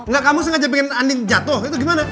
enggak kamu sengaja pengen jatoh itu gimana